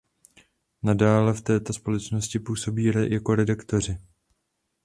Nadále v této společnosti působí jako redaktoři.